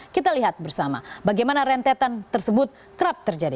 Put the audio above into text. kita lihat bersama bagaimana rentetan tersebut kerap terjadi